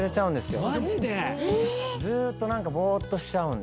マジで⁉ずっとぼーっとしちゃうんです。